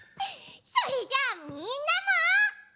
それじゃあみんなも。